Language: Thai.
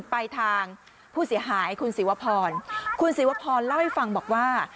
ไปทางผู้เสียหายคุณศิวพรแล้วให้ฟังบอกว่า